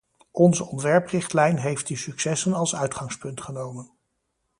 Onze ontwerprichtlijn heeft die successen als uitgangspunt genomen.